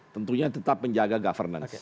tentunya tetap menjaga governance